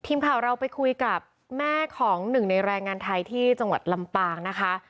ทีมข่าวเราไปคุยกับแม่ของหนึ่งในแรงงานไทยที่จังหวัดลำปางนะคะ